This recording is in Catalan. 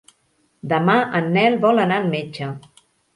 Demà en Nel vol anar al metge.